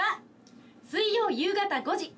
水曜夕方５時。